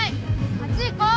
あっち行こう！